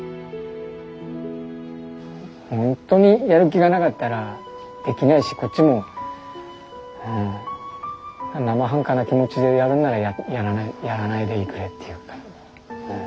ほんとにやる気がなかったらできないしこっちもなまはんかな気持ちでやるんならやらないでくれっていうか。